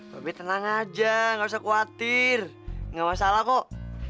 babe tenang aja gak usah khawatir gak masalah kok